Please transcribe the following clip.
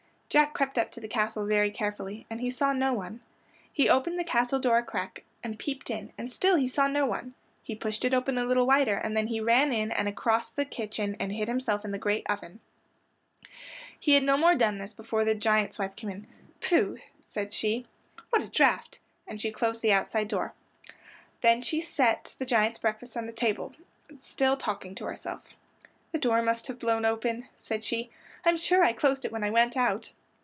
Jack crept up to the castle very carefully, and he saw no one. He opened the castle door a crack and peeped in, and still he saw no one. He pushed it open a little wider and then he ran in and across the kitchen and hid himself in the great oven. He had no more than done this before the giant's wife came in. "Pfu!" said she. "What a draft!" and she closed the outside door. Then she set the giant's breakfast on the table, still talking to herself. "The door must have blown open," said she. "I'm sure I closed it when I went out."